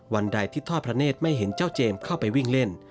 วันใดที่ทอดพระเนธไม่เห็นเจ้าเจมส์เข้าไปวิ่งเล่น